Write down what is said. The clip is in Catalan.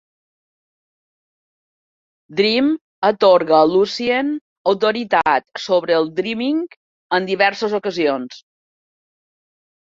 Dream atorga a Lucien autoritat sobre el Dreaming en diverses ocasions.